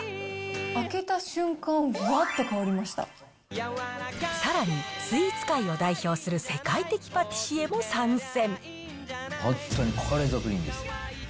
開けた瞬間、さらに、スイーツ界を代表する世界的パティシエも参戦。